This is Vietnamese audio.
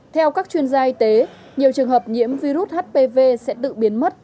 theo các chuyên gia y tế nhiều trường hợp nhiễm virus hpv sẽ tự biến mất